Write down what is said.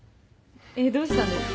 えっどうしたんですか？